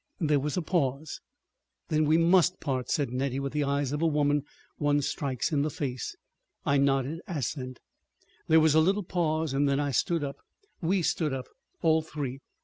There was a pause. "Then we must part," said Nettie, with the eyes of a woman one strikes in the face. I nodded assent. ... There was a little pause, and then I stood up. We stood up, all three.